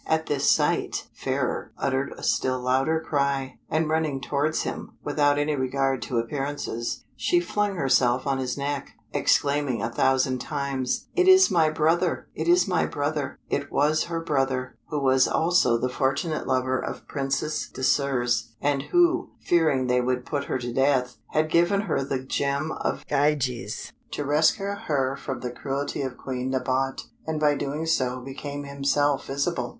At this sight Fairer uttered a still louder cry, and running towards him, without any regard to appearances, she flung herself on his neck, exclaiming a thousand times, "It is my brother! it is my brother." It was her brother, who was also the fortunate lover of Princess Désirs, and who, fearing they would put her to death, had given her the Gem of Gyges to rescue her from the cruelty of Queen Nabote, and by so doing, became himself visible.